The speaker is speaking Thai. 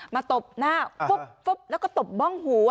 ตบหน้าฟุ๊บแล้วก็ตบบ้องหัว